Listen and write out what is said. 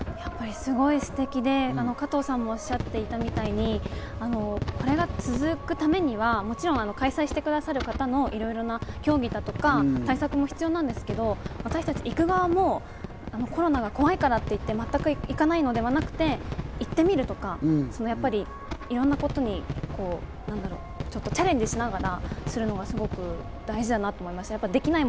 すごいステキで、加藤さんもおっしゃっていたみたいにこれが続くためにはもちろん開催してくださる方のいろんな協議や対策が必要だと思うんですが、私たち行く側も、コロナが怖いからっていって、全く行かないのではなくて行ってみるとか、いろんなことにチャレンジしながら、そういうのがすごく大事だと思いました。